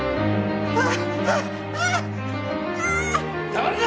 誰だ！？